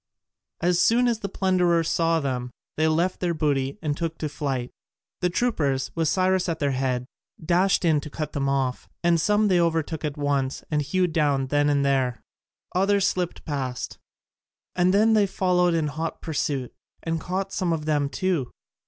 As soon as the plunderers saw them, they left their booty and took to flight. The troopers, with Cyrus at their head, dashed in to cut them off, and some they overtook at once and hewed down then and there; others slipped past, and then they followed in hot pursuit, and caught some of them too.